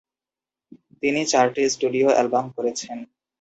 তিনি চারটি studio album করেছেন।